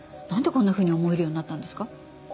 なんでこんなふうに思えるようになったんですか？